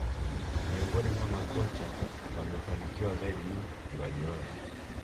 miongoni mwa makocha waliofanikiwa zaidi ni guardiola